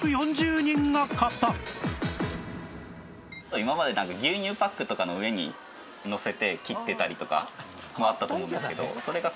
今まで牛乳パックとかの上にのせて切ってたりとかもあったと思うんですけど。